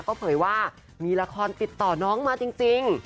ก็เผยว่ามีละครติดต่อน้องมาจริง